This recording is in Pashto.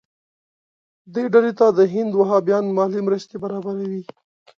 دې ډلې ته د هند وهابیان مالي مرستې برابروي.